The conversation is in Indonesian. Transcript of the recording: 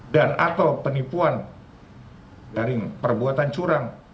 dan atau penipuan dari perbuatan curang